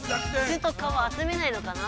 「す」と「か」はあつめないのかな？